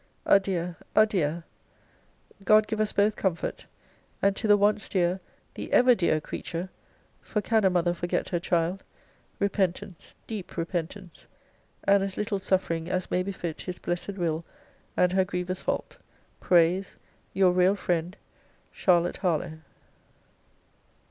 Adieu! adieu! God give us both comfort; and to the once dear the ever dear creature (for can a mother forget her child?) repentance, deep repentance! and as little suffering as may befit his blessed will, and her grievous fault, prays Your real friend, CHARLOTTE HARLOWE.